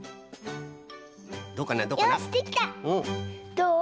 どう？